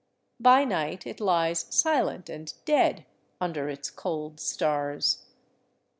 By night it lies silent and dead under its cold stars.